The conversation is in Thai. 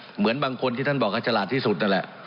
เหมือนบางคนที่ท่านบอกให้ฉลาดที่สุดนั่นแหละ